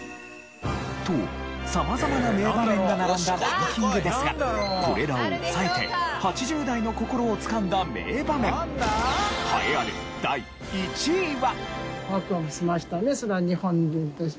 と様々な名場面が並んだランキングですがこれらを抑えて８０代の心をつかんだ名場面栄えある第１位は。